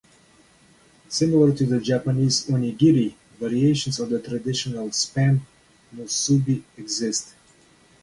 Similar to the Japanese onigiri, variations on the traditional Spam musubi exist.